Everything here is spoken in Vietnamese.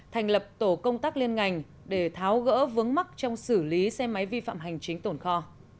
thành lập tổ công tác liên ngành để tháo gỡ vướng mắc trong xử lý xe máy vi phạm hành chính tồn kho